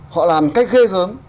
họ làm một cách ghê gớm